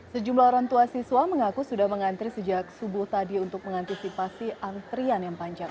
sejumlah orang tua siswa mengaku sudah mengantri sejak subuh tadi untuk mengantisipasi antrian yang panjang